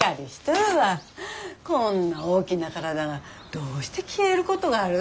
こんな大きな体がどうして消えることがある？